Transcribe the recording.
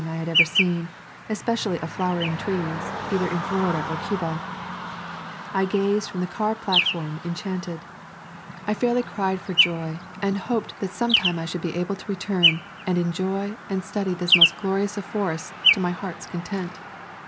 I had ever seen, especially of flowering trees, either in Florida or Cuba. I gazed from the car platform en chanted. I fairly cried for joy and hoped that [ 187 ] A Thousand Mile Walk sometime I should be able to return and en joy and study this most glorious of forests to my heart's content.